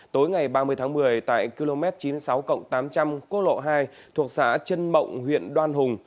tối ngày ba mươi tháng một mươi tại km chín mươi sáu tám trăm linh quốc lộ hai thuộc xã trân mộng huyện đoan hùng